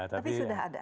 tapi sudah ada